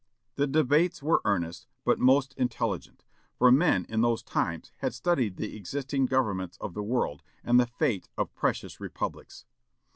The debates were earnest, but most intelligent; for men in those times had studied the existing governments of the world, and the fate of previous republics.